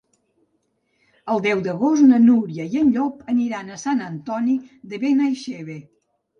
El deu d'agost na Núria i en Llop aniran a Sant Antoni de Benaixeve.